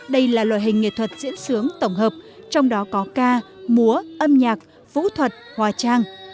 đây là loại hình nghệ thuật diễn xướng tổng hợp trong đó có ca múa âm nhạc vũ thuật hòa trang